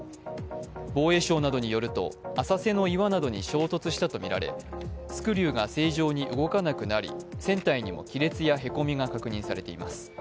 防衛省などによりますと浅瀬の岩に衝突したとみられスクリューが正常に動かなくなり、船体にも亀裂やへこみが確認されています。